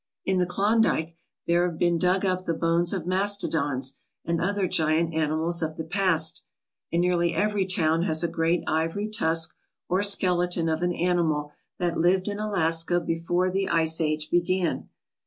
In the Klondike there have been dug up the bones of mastodons and other giant animals of the past; and nearly every town has a great ivory tusk or skeleton of an animal that lived in Alaska before the Ice Age began.